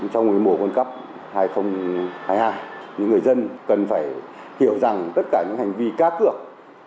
trong mùa world cup hai nghìn hai mươi hai người dân cần phải hiểu rằng tất cả những hành vi cá cược